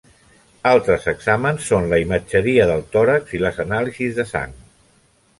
Altres exàmens són la imatgeria del tòrax i les anàlisis de sang.